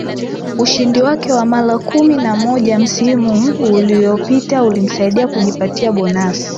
Ushindi wake wa mara kumi na moja msimu uliopita ulimsaidia kujipatia bonasi